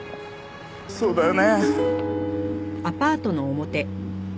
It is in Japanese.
そうだよね。